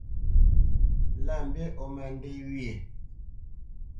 Lâ mbî ó má ndê wyê.